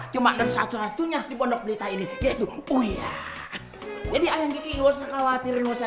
cuma ada satu satunya di pondok belita ini yaitu uya jadi ayam kiki nggak usah khawatir nggak usah